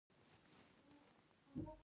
د زخم د وینې بندولو لپاره زردچوبه وکاروئ